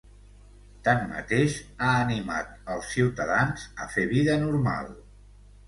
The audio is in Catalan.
Tanmateix, ha animat els ciutadans a fer vida normal.